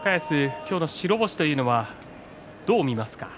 今日の白星というのはどう見ますか。